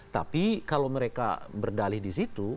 tapi kalau mereka berdalih di situ